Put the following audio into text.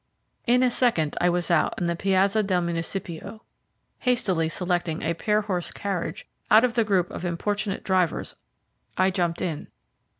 In a second I was out in the Piazza del Municipio. Hastily selecting a pair horse carriage out of the group of importunate drivers, I jumped in.